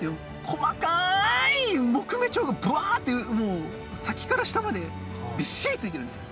細かい木目調がぶわってもう先から下までびっしり付いてるんですよ。